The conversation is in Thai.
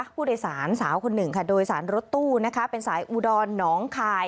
ผู้โดยสารสาวคนหนึ่งค่ะโดยสารรถตู้นะคะเป็นสายอุดรหนองคาย